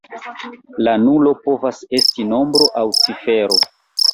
La nulo povas esti nombro aŭ cifero.